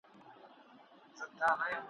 شور ماشور وي د بلبلو بوی را خپور وي د سنځلو ,